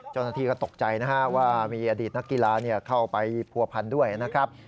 เจ้าหน้าที่ก็ตกใจนะฮะว่ามีอดีตนักกีฬาเข้าไปผัวพันด้วยนะครับ